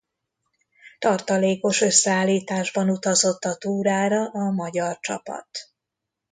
Tartalékos összeállításban utazott a túrára a magyar csapat.